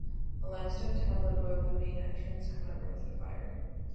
A limestone tablet above the main entrance commemorates the fire.